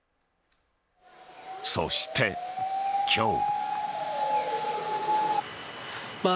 そして今日。